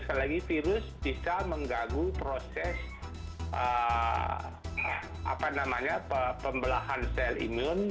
sekali lagi virus bisa mengganggu proses pembelahan sel imun